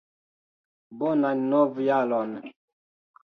Bonan novjaron!